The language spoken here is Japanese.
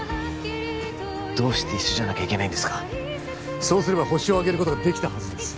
どうして一緒じゃなきゃいけないんですかそうすればホシを挙げることができたはずです